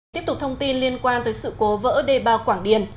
tiếp tục thông tin liên quan tới sự cố vỡ đê bao quảng điền